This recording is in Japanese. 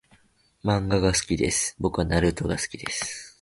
漫画が好きです